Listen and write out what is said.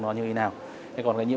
thì tốt con nhá